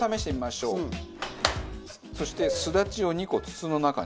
そして。